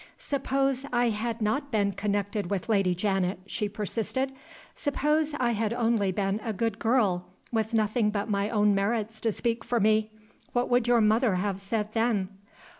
"Suppose I had not been connected with Lady Janet?" she persisted. "Suppose I had only been a good girl, with nothing but my own merits to speak for me. What would your mother have said then?"